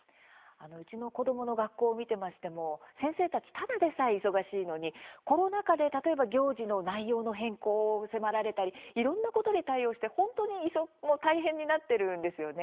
うちの子どもの学校を見ていましても、先生たちただでさえ忙しいのにコロナ禍で、例えば行事の内容の変更を迫られたりいろいろなことに対応して本当に大変になっているんですよね。